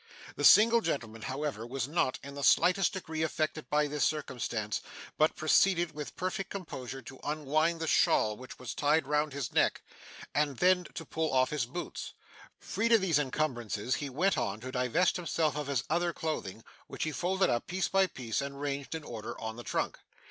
The single gentleman, however, was not in the slightest degree affected by this circumstance, but proceeded with perfect composure to unwind the shawl which was tied round his neck, and then to pull off his boots. Freed of these encumbrances, he went on to divest himself of his other clothing, which he folded up, piece by piece, and ranged in order on the trunk.